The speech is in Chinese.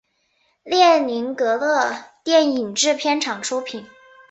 列宁格勒电影制片厂出品。